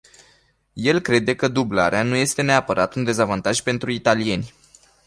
El crede că dublarea nu este neapărat un dezavantaj pentru italieni.